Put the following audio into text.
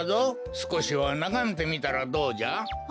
すこしはながめてみたらどうじゃ？